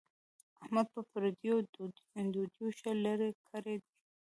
احمد په پردیو ډوډیو ښه لری کړی دی.